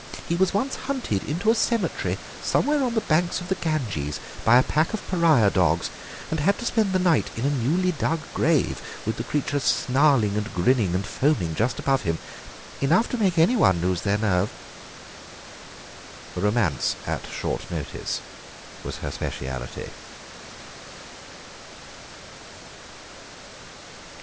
He was once hunted into a cemetery somewhere on the banks of the Ganges by a pack of pariah dogs, and had to spend the night in a newly dug grave with the creatures snarling and grinning and foaming just above him. Enough to make anyone lose their nerve." Romance at short notice was her speciality.